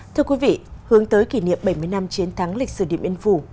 thưa quý vị hướng tới kỷ niệm bảy mươi năm chiến thắng lịch sử điện biên phủ